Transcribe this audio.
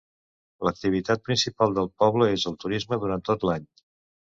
L'activitat principal del poble és el turisme durant tot l'any.